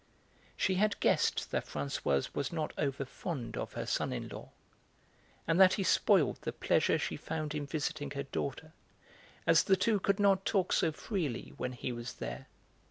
She had guessed that Françoise was not over fond of her son in law, and that he spoiled the pleasure she found in visiting her daughter, as the two could not talk so freely when he was there.